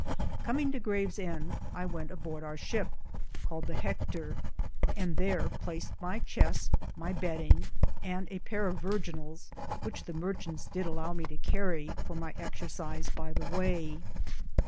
Comminge to Graves ende, I wente aborde our shipp, Called the Heckter, and thare placed my chiste, my bed inge, and a pare of virginals,^ which the martchantes did alow me to carrie, for my exersize by the waye.